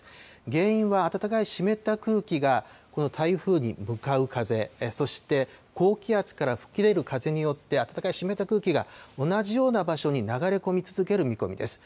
原因は暖かい湿った空気が、この台風に向かう風、そして高気圧からふき出る風によって、暖かい湿った空気が同じような場所に流れ込み続ける見込みです。